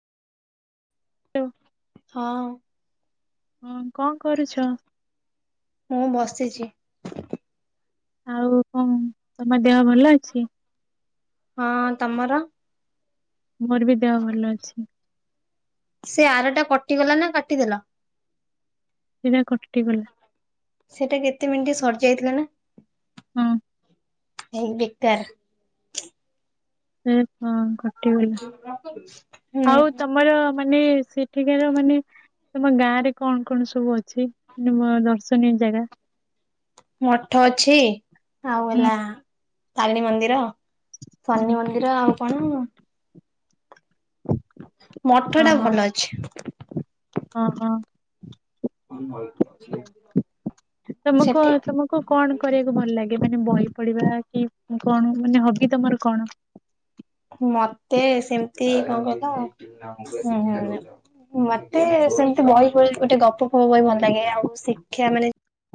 ଓ ହଁ। ହୁଁ କଣ କରୁଛ? ମୁଁ ବସିଚି। ଆଉ କଣ ତମ ଦେହ ଭଲ ଅଛି? ହଁ ତମର? ମୋର ବି ଦେହ ଭଲ ଅଛି। ସେ ଆର ଟା କଟିଗଲା ନା କାଟିଦେଲ। ସେଇଟା କଟିଗଲା। ସେଇଟା କେତେ ମିନିଟ୍ ସରିଯାଇଥିଲା ନା। ହୁଁ। ଏଇ ବେକାର। ଉଁ ହଁ କଟିଗଲା। ହୁଁ ଆଉ ତ ମୋର ମାନେ ସେଠିକାର ମାନେ ତମ ଗାଁ ରେ କଣ କଣ ସବୁ ଅଛି? ମ ଦର୍ଶନୀୟ ଜାଗା। ମଠ ଅଛି। ଆଉ ହୁଁ ଏଲା ତାରିଣୀ ମନ୍ଦିର। ହୁଁ ଶନି ମନ୍ଦିର ଆଉ କଣ? ମଠ ଟା ଭଲ ଅଛି। କଣ କଣ? ମୁଁ ଭଲ ଅଛି। ତମକୁ କଣ ତମ କୁ କଣ କରିବାକୁ ଭଲ ଲାଗେ। ମାନେ ବହି ପଢିବା କି ମୁଁ କଣ ମାନେ ହବି ତମର କଣ? ମତେ ସେମିତି କଣ କହିଲ ହୁଁ ହୁଁ। ମତେ ସେମିତି ବହି ଫହି ଗୋଟେ ଗପ ଫପ ବହି ଭଲ ଲାଗେ। ଆଉ ଶିକ୍ଷା ମାନେ